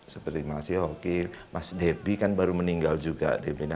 seperti mas yoki mas debbie kan baru meninggal juga